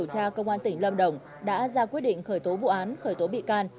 cha công an tỉnh lâm đồng đã ra quyết định khởi tố vụ an khởi tố bị can